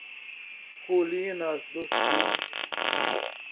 Colinas do Sul